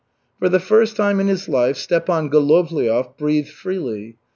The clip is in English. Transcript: For the first time in his life Stepan Golovliov breathed freely.